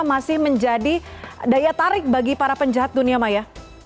masih menjadi daya tarik bagi para penjahat dunia maya